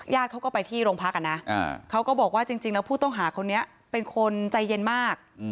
เขาก็ไปที่โรงพักอ่ะนะเขาก็บอกว่าจริงแล้วผู้ต้องหาคนนี้เป็นคนใจเย็นมาก